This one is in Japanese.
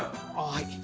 はい。